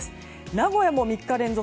名古屋も３日連続